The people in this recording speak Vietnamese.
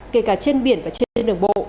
kể cả trên biển và trên đường bộ